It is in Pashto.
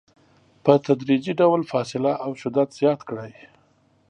په تدریجي ډول فاصله او شدت زیات کړئ.